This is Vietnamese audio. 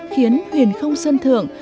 khiến huyền không sân thượng